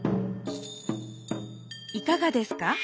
いかがですか？